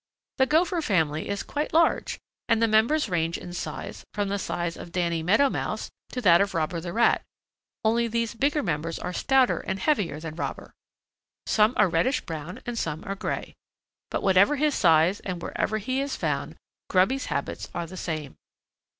The Gopher family is quite large and the members range in size from the size of Danny Meadow Mouse to that of Robber the Rat, only these bigger members are stouter and heavier than Robber. Some are reddish brown and some are gray. But whatever his size and wherever he is found, Grubby's habits are the same."